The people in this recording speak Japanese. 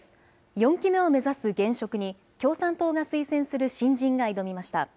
４期目を目指す現職に共産党が推薦する新人が挑みました。